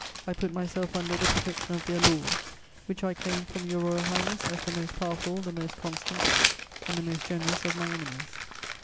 I put myself under the protection of their laws; which I claim from Your Royal Highness as the most powerful, the most constant and the most generous of my enemies.